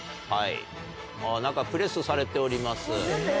何かプレスされております。